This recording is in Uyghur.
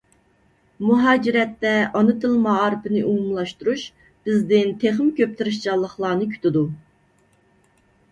مۇھاجىرەتتە ئانا تىل مائارىپىنى ئومۇملاشتۇرۇش بىزدىن تېخىمۇ كۆپ تىرىشچانلىقلارنى كۈتىدۇ.